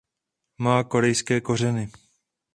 Má korejské kořeny.